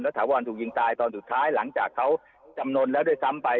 ถาวรถูกยิงตายตอนสุดท้ายหลังจากเขาจำนวนแล้วด้วยซ้ำไป